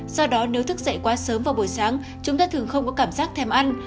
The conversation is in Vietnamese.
do đó nếu thức dậy quá sớm vào buổi sáng chúng ta thường không có cảm giác thèm ăn